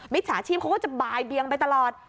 จฉาชีพเขาก็จะบ่ายเบียงไปตลอด